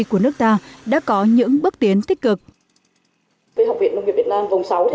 của nước ta đã có những bước tiến tích cực với học viện nông nghiệp việt nam vòng sáu thì